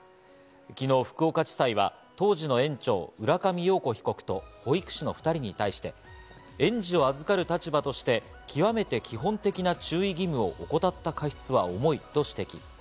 昨日、福岡地裁は当時の園長・浦上陽子被告と保育士の２人に対して園児を預かる立場として極めて基本的な注意義務を怠った過失は重いと指摘。